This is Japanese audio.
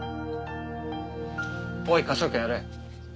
おい科捜研やれ。